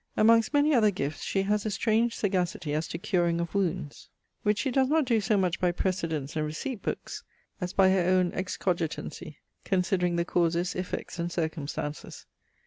Amongst many other guifts she haz a strange sagacity as to curing of wounds, which she does not doe so much by presedents and reciept bookes, as by her owne excogitancy, considering the causes, effects, and circumstances.